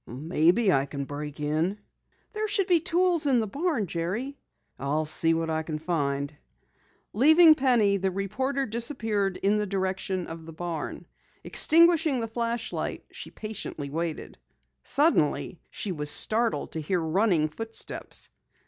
"Maybe I can break it." "There should be tools in the barn, Jerry." "I'll see what I can find." Leaving Penny, the reporter disappeared in the direction of the barn. Extinguishing the flashlight, she patiently waited. Suddenly she was startled to hear running footsteps.